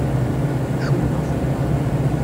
Čummex.